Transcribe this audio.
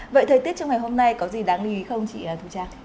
vậy thời tiết trong ngày hôm nay có gì đáng lý không chị thu trang